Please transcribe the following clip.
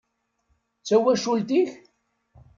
D tawacult-ik?